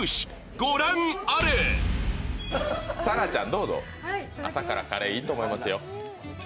どうぞ朝からカレーいいと思いますよ